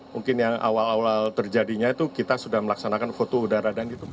mungkin yang awal awal terjadinya itu kita sudah melaksanakan foto udara dan gitu